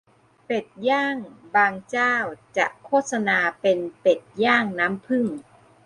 เป็ดย่าง บางเจ้าจะโฆษณาเป็นเป็ดย่างน้ำผึ้ง